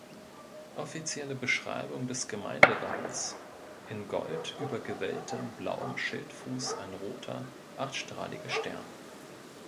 Offizielle Beschreibung des Gemeindewappens: "In Gold über gewelltem, blauem Schildfuß ein roter, achtstrahliger Stern.